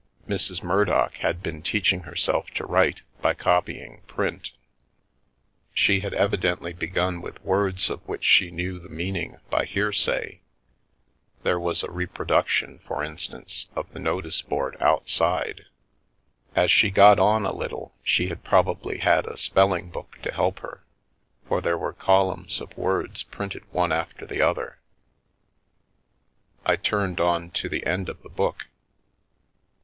Mrs. Mur dock had been teaching herself to write by copying print. She had evidently begun with words of which she knew the meaning by hearsay — there was a reproduction, for instance, of the notice board outside. As she got on a little she had probably had a spelling book to help her, for there were columns of words printed one after the other. I turned on to the end of the book.